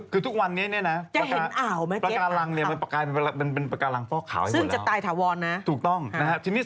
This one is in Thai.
คือทุกวันนี้นะปาการังมันเป็นปาการังฟอกขาวให้หมดแล้วถูกต้องจะเห็นอ่าวไหมเก๊บ